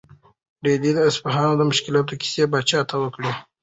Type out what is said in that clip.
رېدي د اصفهان د مشکلاتو کیسې پاچا ته وکړې.